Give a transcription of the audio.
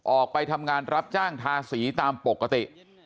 ออกไปทำงานรับจ้างทาสีตามปกติ